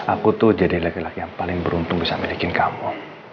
aku tuh jadi laki laki yang paling beruntung bisa milikin kamu